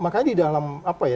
makanya di dalam apa ya